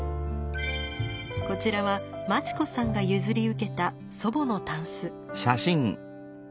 こちらは真知子さんが譲り受けた祖母のタンス。